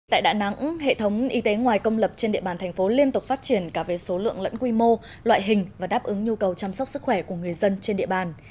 tại đà nẵng hệ thống y tế ngoài công lập trên địa bàn thành phố liên tục phát triển cả về số lượng lẫn quy mô loại hình và đáp ứng nhu cầu chăm sóc sức khỏe của người dân trên địa bàn